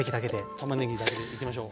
たまねぎだけでいきましょう。